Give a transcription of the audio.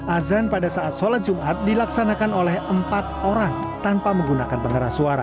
azan pada saat sholat jumat dilaksanakan oleh empat orang tanpa menggunakan pengeras suara